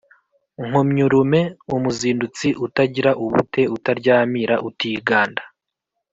Nkomyurume: umuzindutsi, utagira ubute utaryamira, utiganda.